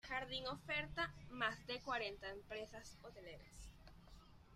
Jardín oferta más de cuarenta empresas hoteleras.